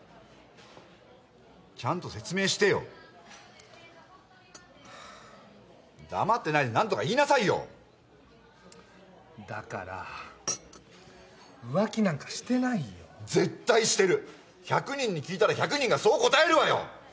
ちゃんと説明してよはあ黙ってないで何とか言いなさいよだから浮気なんかしてないよ絶対してる１００人に聞いたら１００人がそう答えるわよ